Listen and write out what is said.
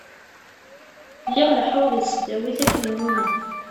Lliɣ leḥḥuɣ deg tesdawit akken nummeɣ.